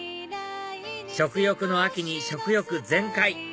食欲の秋に食欲全開！